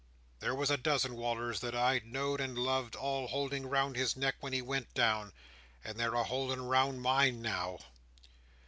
There was a dozen Wal"rs that I know'd and loved, all holding round his neck when he went down, and they're a holding round mine now!"